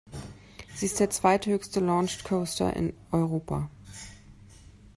Sie ist der zweithöchste Launched Coaster in Europa.